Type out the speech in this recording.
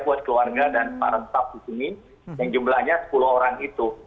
buat keluarga dan para staff di sini yang jumlahnya sepuluh orang itu